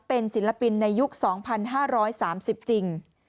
เป็นศิลปินในยุคสองพันห้าร้อยสามสิบจริง